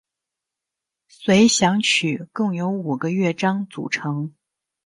随想曲共有五个乐章组成。